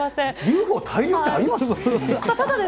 ＵＦＯ、大量ってあります？